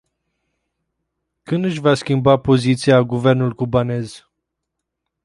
Când își va schimba poziția guvernul cubanez?